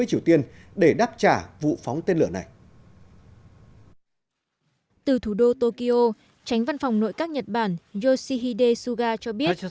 từ thủ đô tokyo tránh văn phòng nội các nhật bản yoshihide suga cho biết